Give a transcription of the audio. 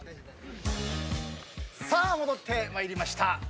さあ戻ってまいりました。